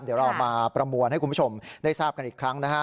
เดี๋ยวเรามาประมวลให้คุณผู้ชมได้ทราบกันอีกครั้งนะฮะ